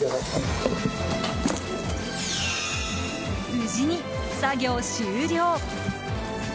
無事に作業終了！